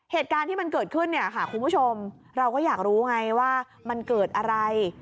เหตุการณ์ที่ขึ้นคุณผู้ชมเราก็อยากรู้ไงว่ามันเกิดอะไร